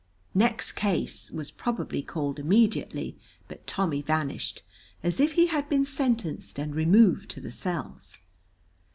"Next case" was probably called immediately, but Tommy vanished, as if he had been sentenced and removed to the cells.